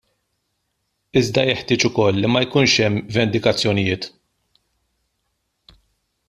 Iżda jeħtieġ ukoll li ma jkunx hemm vendikazzjonijiet.